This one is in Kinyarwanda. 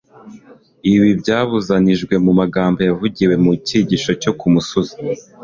Ibi byabuzanijwe mu magambo yavugiwe mu cyigisho cyo ku musozi.